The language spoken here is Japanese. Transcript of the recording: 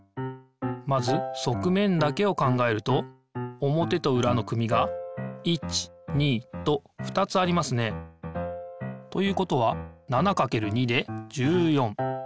まずそくめんだけを考えると表と裏の組が１２と２つありますね。ということは７×２で１４。